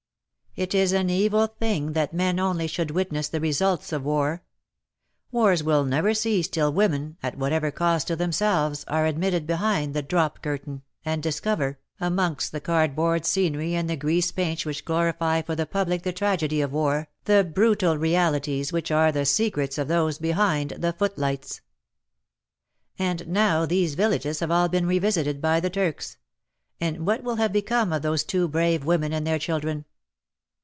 It is an evil thing that men only should witness the results of war. Wars will never cease till women — at whatever cost to themselves — are admitted behind the drop curtain, and discover, 84 WAR AND WOMEN amongst the cardboard scenery and the grease paints which glorify for the public the tragedy of war, the brutal realities which are the secrets of those behind the footlights. And now these villages have all been revisited by the Turks — and what will have become of those two brave women and their children